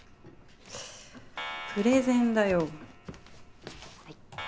プレゼンだよはい。